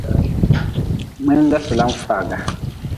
Mngenga sila n-faaga.